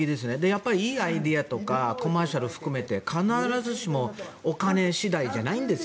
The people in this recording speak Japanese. やっぱりいいアイデアとかコマーシャルを含めて必ずしもお金次第じゃないんです。